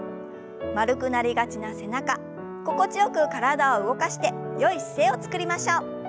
丸くなりがちな背中心地よく体を動かしてよい姿勢をつくりましょう。